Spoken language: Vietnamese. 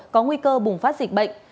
có nguy cơ bùng phát dịch bệnh